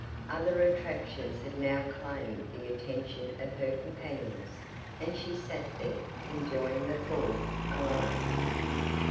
Other attractions had now claimed the attention of her companions, and she sat there, enjoying the falls alone.